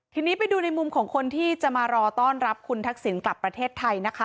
ทีนี้ไปดูในมุมของคนที่จะมารอต้อนรับคุณทักษิณกลับประเทศไทยนะคะ